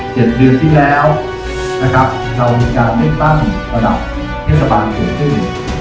๗เดือนที่แล้วเรามีการเร่ตั้งระดับเทศบาลเกี่ยวขึ้น